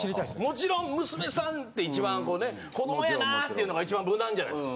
もちろん娘さんって一番こうね子供やなっていうのが一番無難じゃないですか。